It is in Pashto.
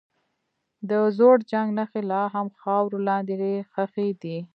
د زوړ جنګ نښې لا هم خاورو لاندې ښخي دي.